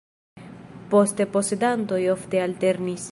Poste posedantoj ofte alternis.